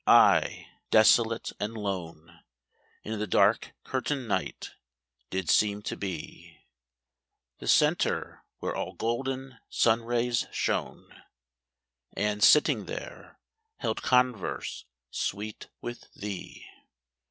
I, desolate and lone, In the dark curtained night, did seem to be The centre where all golden sun rays shone, And, sitting there, held converse sweet with thee.